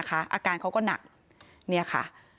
อาการเขาก็หนัก